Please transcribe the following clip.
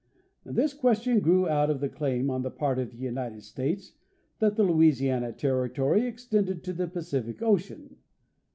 This question grew out of the claim on the part of the United States that the Louisiana territory extended to the Pacific ocean.